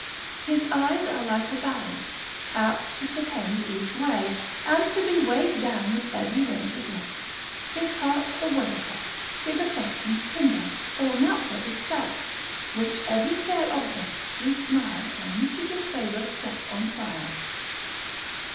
His eyes are like a balance, apt to propend each way, and to be weighed down with every wench's looks, his heart a weathercock, his affection tinder, or naphtha itself, which every fair object, sweet smile, or mistress's favour sets on fire.